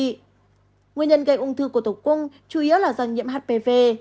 nguyên nhân gây ung thư của tử cung chủ yếu là do nhiễm hpv